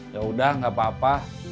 yaudah gak apa apa